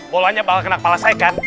bolanya bakal kena kepala saya kan